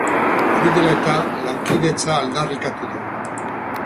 Hori dela eta, lankidetza aldarrikatu du.